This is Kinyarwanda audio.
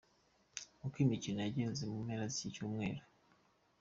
Uko imikino yagenze mu mpera z’iki cyumweru.